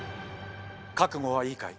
覚悟はいいかい？